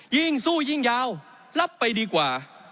ยิ่งสู้ยิ่งยาวรับไปดีกว่า